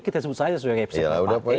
kita sebut saja sekber partai